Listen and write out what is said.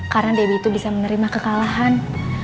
karena debbie itu bisa menerima kekalahan